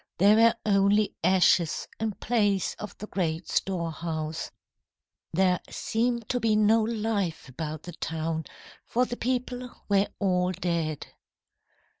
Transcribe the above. There were only ashes in place of the great storehouse. There seemed to be no life about the town, for the people were all dead.